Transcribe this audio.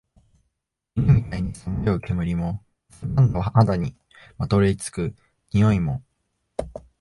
犬みたいにさまよう煙も、汗ばんだ肌にまとわり付く臭いも、